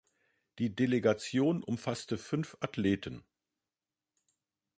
Die Delegation umfasste fünf Athleten.